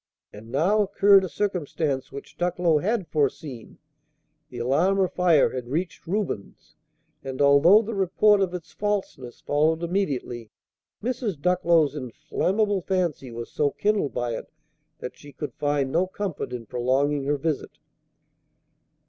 And now occurred a circumstance which Ducklow had foreseen. The alarm of fire had reached Reuben's; and, although the report of its falseness followed immediately, Mrs. Ducklow's inflammable fancy was so kindled by it that she could find no comfort in prolonging her visit.